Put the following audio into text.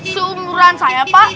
seumuran saya pak